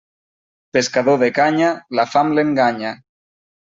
Pescador de canya, la fam l'enganya.